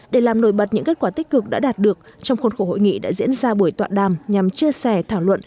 để làm nổi bật những kết quả tích cực đã đạt được trong khuôn khổ hội nghị đã diễn ra buổi toạn đàm nhằm chia sẻ thảo luận